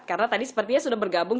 karena tadi sepertinya sudah bergabung